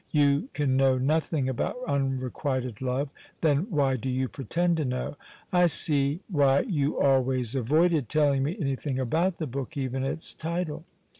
You can know nothing about unrequited love. Then why do you pretend to know? I see why you always avoided telling me anything about the book, even its title.